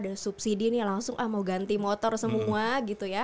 ada subsidi nih langsung ah mau ganti motor semua gitu ya